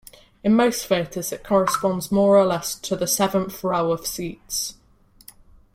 In most theaters it corresponds more or less to the seventh row of seats.